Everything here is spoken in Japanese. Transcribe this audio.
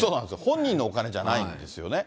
本人のお金じゃないんですよ。